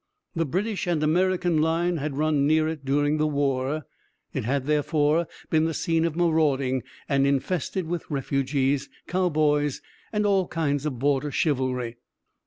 The British and American line had run near it during the war; it had, therefore, been the scene of marauding, and infested with refugees, cowboys, and all kind of border chivalry.